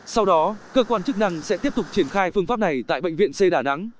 sau đó cơ quan chức năng sẽ tiếp tục triển khai phương pháp này tại bệnh viện c đà nẵng